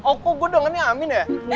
oh kok gue dengannya amin ya